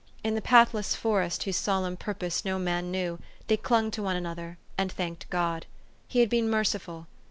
In the pathless forest whose solemn purpose no man knew, they clung to one another, and thanked God. He had been merciful.